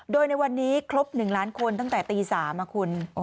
โดยในวันนี้ครบ๑ล้านคนตั้งแต่ตี๓คุณ